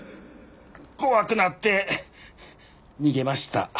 怖くなって逃げました。